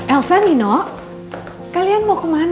elsa nino kalian mau kemana